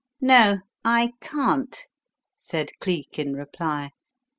"No, I can't," said Cleek in reply.